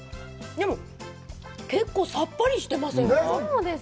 でも、結構、さっぱりしてますね。